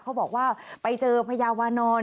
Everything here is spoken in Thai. เขาบอกว่าไปเจอพญาวานอน